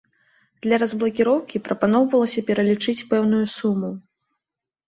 Для разблакіроўкі прапаноўвалася пералічыць пэўную суму.